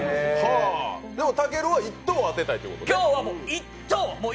でもたけるは１等を当てたいっていうことですね。